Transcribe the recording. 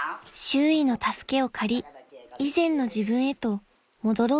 ［周囲の助けを借り以前の自分へと戻ろうとしていました］